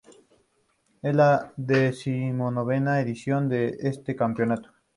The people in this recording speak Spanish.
Es la decimonovena edición de este campeonato español.